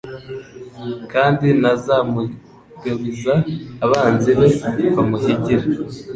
Kandi ntazamugabiza abanzi be bamuhigira